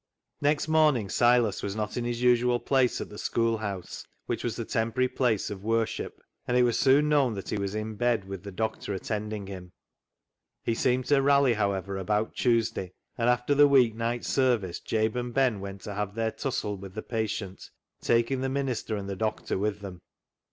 Next morning Silas was not in his usual place at the schoolhouse, which was the temporary place of worship, and it was soon known that he was in bed, with the doctor attending him. He seemed to rally, however, about Tuesday, and after the week night service Jabe and Ben went to have their tussle with the patient, taking the minister and the doctor with them.